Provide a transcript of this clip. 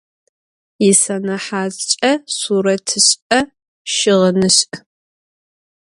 Yisenehatç'e suretış'e - şığınış'.